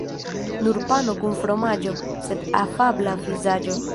Nur pano kun fromaĝo, sed afabla vizaĝo.